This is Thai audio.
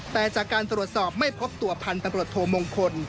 แต่จากการตรวจสอบไม่พบตัวพันธุ์ตำรวจโทมงคล